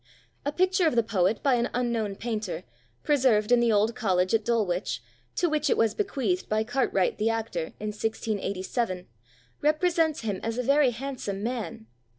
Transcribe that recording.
A picture of the poet by an unknown painter, preserved in the old college at Dulwich, to which it was bequeathed by Cartwright the actor, in 1687, represents him as a very handsome man.